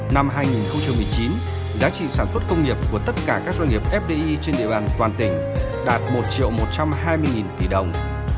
năm hai nghìn một mươi chín giá trị sản xuất công nghiệp của tất cả các doanh nghiệp fdi trên địa bàn toàn tỉnh đạt một một trăm hai mươi tỷ đồng